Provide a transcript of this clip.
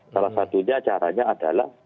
salah satunya caranya adalah